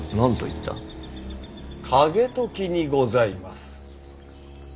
景時にございます。